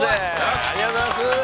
◆ありがとうございます。